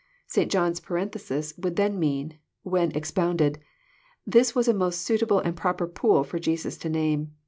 St. John's parenthesis would then mean, when ex pounded :'' This was a most suitable and proper pool for Jesus to name.